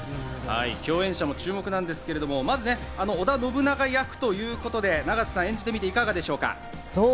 共演者も注目なんですけど、まず織田信長役ということで演じてみていかがでしょうか？